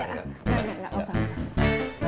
gak engga engga engga